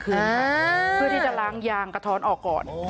เพื่อที่จะล้างยางกระท้อนออกก่อน